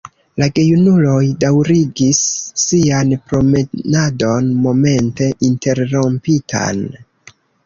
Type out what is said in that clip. La gejunuloj daŭrigis sian promenadon momente interrompitan.